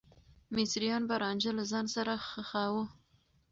مصريان به رانجه له ځان سره ښخاوه.